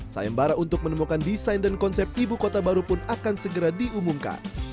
sayembara untuk menemukan desain dan konsep ibu kota baru pun akan segera diumumkan